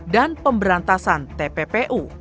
dan pemberantasan tppu